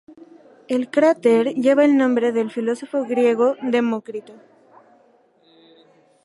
El cráter lleva el nombre del filósofo griego "Demócrito".